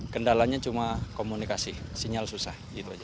kendalanya cuma komunikasi sinyal susah